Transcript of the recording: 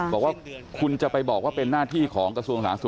บอกว่าคุณจะไปบอกว่าเป็นหน้าที่ของกระทรวงสาธารณสุข